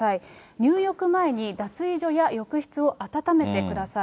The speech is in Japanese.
入浴前に脱衣所や浴室を温めてください。